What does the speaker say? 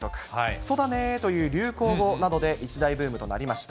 そだねーという流行語などで一大ブームとなりました。